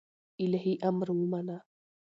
الهي امر ومانه